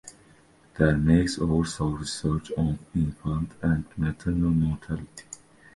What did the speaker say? There Meigs oversaw research on infant and maternal mortality.